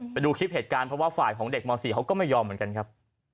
ไปดูคลิปเหตุการณ์เพราะว่าฝ่ายของเด็กม๔เขาก็ไม่ยอมเหมือนกันครับ